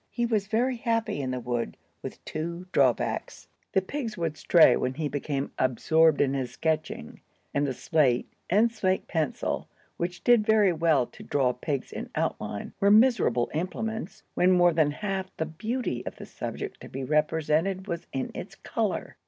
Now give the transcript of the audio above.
He was very happy in the wood, with two drawbacks. The pigs would stray when he became absorbed in his sketching, and the slate and slate pencil, which did very well to draw pigs in outline, were miserable implements, when more than half the beauty of the subject to be represented was in its color.